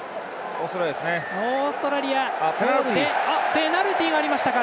ペナルティがありましたか。